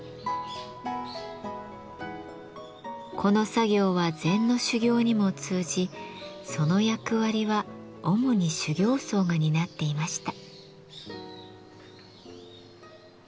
この作業は禅の修行にも通じその役割は主に修行僧が担っていました。